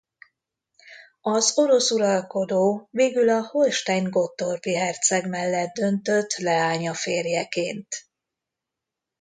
Az orosz uralkodó végül a holstein–gottorpi herceg mellett döntött leánya férjeként.